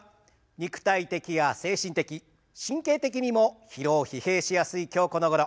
肉体的や精神的神経的にも疲労疲弊しやすい今日このごろ。